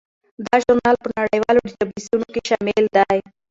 دا ژورنال په نړیوالو ډیټابیسونو کې شامل دی.